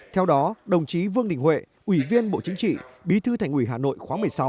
theo đó đồng chí vương đình huệ ủy viên bộ chính trị bí thư thành ủy hà nội khóa một mươi sáu